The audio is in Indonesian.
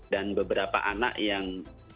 dan beberapa anak yang